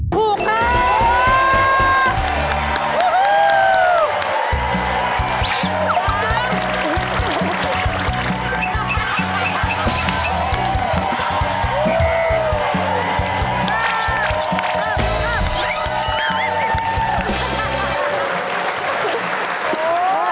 ถูกนะ